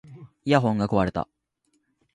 イヤホンが壊れた